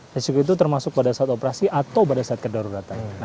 resiko itu termasuk pada saat operasi atau pada saat kedaruratan